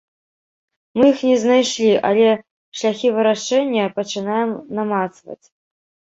Мы іх не знайшлі, але шляхі вырашэння пачынаем намацваць.